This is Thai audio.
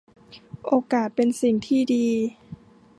โอกาสเป็นสิ่งที่ดี